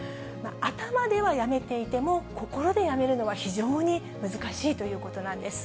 頭ではやめていても、心でやめるのは非常に難しいということなんです。